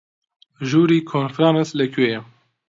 ژووری کۆنفرانس لەکوێیە؟